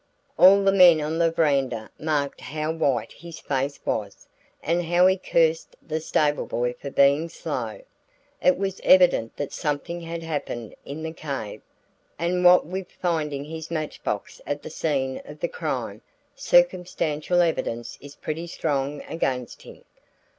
All the men on the veranda marked how white his face was, and how he cursed the stable boy for being slow. It was evident that something had happened in the cave, and what with finding his match box at the scene of the crime circumstantial evidence is pretty strong against him."